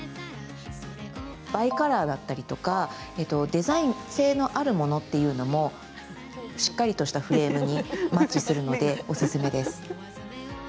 バイカラーだったりとかデザイン性のあるものっていうのも、しっかりとしたフレームにマッチするのでおすすめです。